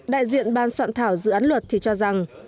đại diện ban soạn thảo dự án luật thì cho rằng